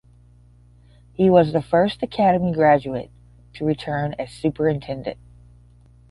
He was the first Academy graduate to return as superintendent.